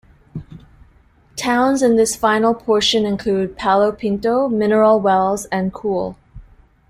Towns in this final portion include Palo Pinto, Mineral Wells and Cool.